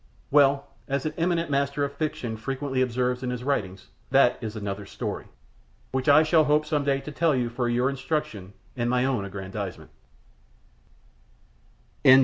Well, as an eminent master of fiction frequently observes in his writings, "that is another story," which I shall hope some day to tell for your instruction and my own aggrandizement.